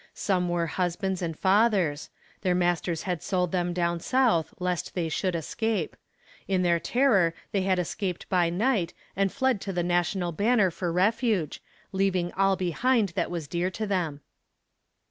Some were husbands and fathers. Their masters had sold them down south, lest they should escape. In their terror they had escaped by night, and fled to the National banner for refuge, leaving all behind that was dear to them.